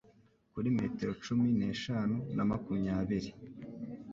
kuri metero cumi neshanu na makumyabiri.